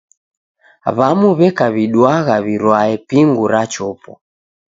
W'amu w'eka w'iduagha w'irwae pingu rachopwa.